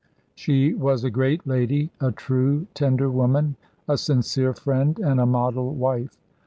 She was a great lady, a true, tender woman, a sincere friend, and a model wife.